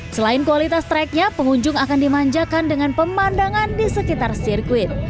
selain kualitas tracknya pengunjung akan dimanjakan dengan pemandangan di sekitar sirkuit